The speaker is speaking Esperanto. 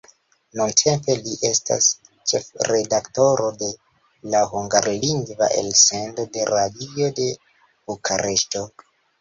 Nuntempe li estas ĉefredaktoro de la hungarlingva elsendo de Radio de Bukareŝto.